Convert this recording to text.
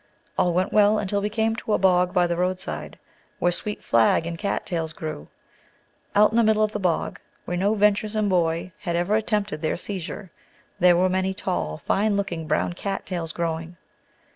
All went well until we came to a bog by the roadside, where sweet flag and cat tails grew. Out in the middle of the bog, where no venturesome boy had ever attempted their seizure, there were many tall, fine looking brown cat tails growing.